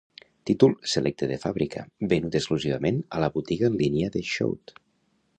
Títol selecte de fàbrica, venut exclusivament a la botiga en línia de Shout.